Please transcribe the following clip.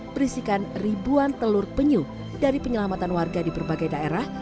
berisikan ribuan telur penyu dari penyelamatan warga di berbagai daerah